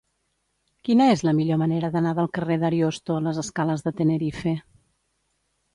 Quina és la millor manera d'anar del carrer d'Ariosto a les escales de Tenerife?